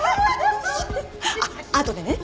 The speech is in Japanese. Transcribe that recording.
あっあとでね